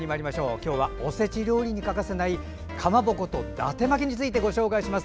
今日は、おせち料理に欠かせないかまぼこと、だて巻きについてご紹介します。